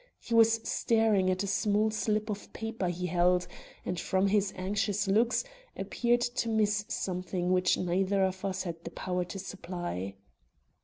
He was staring at a small slip of paper he held, and, from his anxious looks, appeared to miss something which neither of us had power to supply.